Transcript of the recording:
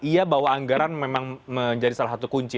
iya bahwa anggaran memang menjadi salah satu kunci